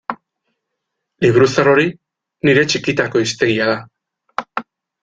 Liburu zahar hori nire txikitako hiztegia da.